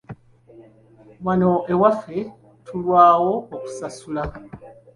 Wano ewaffe tulwawo okusasulwa.